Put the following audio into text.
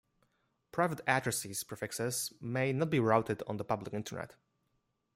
Private address prefixes may not be routed on the public Internet.